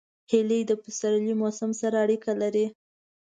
هیلۍ د پسرلي موسم سره اړیکه لري